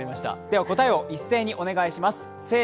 では、答えを一斉にお願いします。